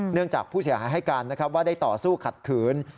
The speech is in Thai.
เนื่องจากผู้เสียหายให้การว่าได้ต่อสู้ขัดขืน